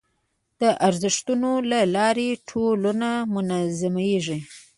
د ارزښتونو له لارې ټولنه منظمېږي.